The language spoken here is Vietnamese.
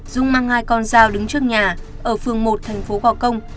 dũng mang hai con dao đứng trước nhà ở phường một thành phố vào công